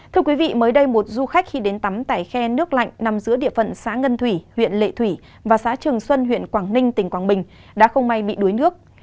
thưa quý vị mới đây một du khách khi đến tắm tại khe nước lạnh nằm giữa địa phận xã ngân thủy huyện lệ thủy và xã trường xuân huyện quảng ninh tỉnh quảng bình đã không may bị đuối nước